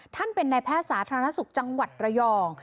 ท่านเป็นนายแพทย์สาธารณสุขจังหวัดระยอง